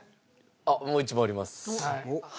あっもう１問あります。